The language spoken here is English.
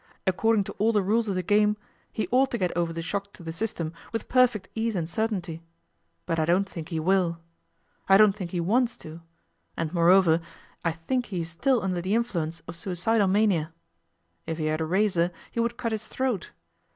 According to all the rules of the game, he ought to get over the shock to the system with perfect ease and certainty. But I don't think he will. I don't think he wants to. And moreover, I think he is still under the influence of suicidal mania. If he had a razor he would cut his throat.